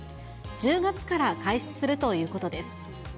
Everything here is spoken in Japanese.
１０月から開始するということです。